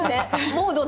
モードな。